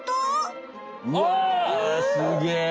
うわすげえ！